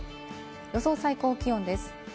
予想最高気温です。